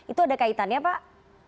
itu ada kaitannya pak